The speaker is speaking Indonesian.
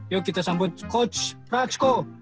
yuk kita sambut coach praxco